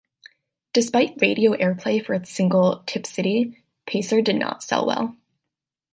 Despite radio airplay for its single, "Tipp City", "Pacer" did not sell well.